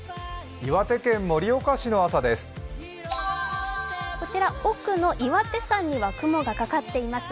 岩手県盛岡市の朝です。